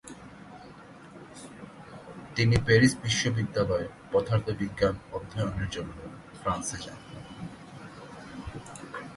তিনি প্যারিস বিশ্ববিদ্যালয়ে পদার্থবিজ্ঞান অধ্যয়নের জন্য ফ্রান্সে যান।